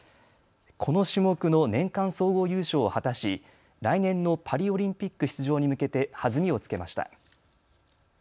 この種目の年間総合優勝を果たし来年のパリオリンピック出場に向けて弾みをつけました。